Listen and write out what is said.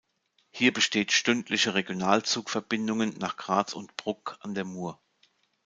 Hier besteht stündliche Regionalzug-Verbindungen nach Graz und Bruck an der Mur.